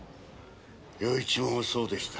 陽一もそうでした。